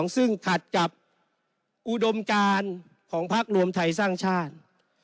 ซึ่งขัดกับอุดมการของพักรวมไทยสร้างชาติ